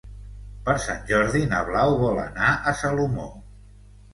Per Sant Jordi na Blau vol anar a Salomó.